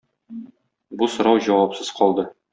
Бу сорау җавапсыз калды.